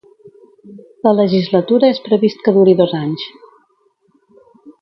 La legislatura és previst que duri dos anys.